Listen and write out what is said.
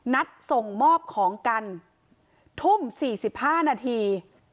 นัดส่งมอบของกันทุ่ม๔๕นาที